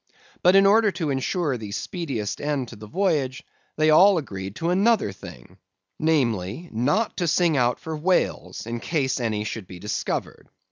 But in order to insure the speediest end to the voyage, they all agreed to another thing—namely, not to sing out for whales, in case any should be discovered.